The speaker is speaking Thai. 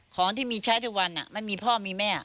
ของที่มีใช้ทุกวันไม่มีพ่อมีแม่